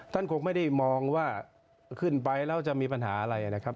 คงไม่ได้มองว่าขึ้นไปแล้วจะมีปัญหาอะไรนะครับ